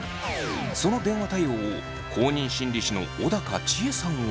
その電話対応を公認心理師の小高千枝さんは。